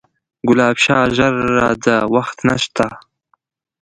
ګلاب شاه ژر راځه وخت نسته